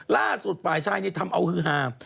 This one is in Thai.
ล่าสุดฝ่ายชายนี่ทำเอาฮือฮา